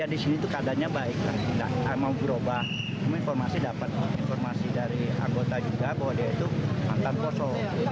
informasi dari anggota juga bahwa dia itu mantan poso